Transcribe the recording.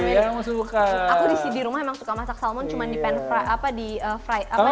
yang suka masak atmosphere apa pets